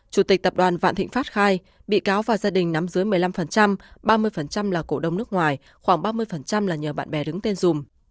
chủ tịch tập đoàn vạn thịnh pháp khai bị cáo và gia đình nắm dưới một mươi năm ba mươi là cổ đông nước ngoài khoảng ba mươi là nhờ bạn bè đứng tên dùm